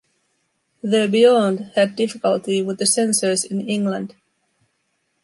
"The Beyond" had difficulty with the censors in England.